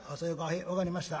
へえ分かりました。